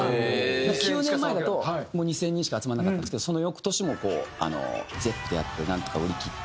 ９年前だと２０００人しか集まらなかったんですけどその翌年もＺｅｐｐでやってなんとか売り切って。